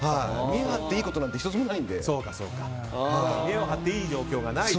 見栄張っていいことなんて１つもないんで。